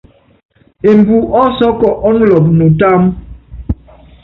Embu osɔ́ɔ́kɔ ɔ́ nulop nutúmbú.